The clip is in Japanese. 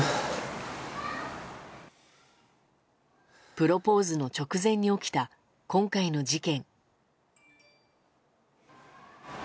プロポーズの直前に起きた今回の事件。